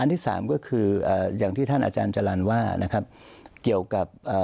ที่สามก็คืออ่าอย่างที่ท่านอาจารย์จรรย์ว่านะครับเกี่ยวกับอ่า